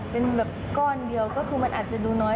เป็นแบบก้อนเดียวก็คือมันอาจจะดูน้อย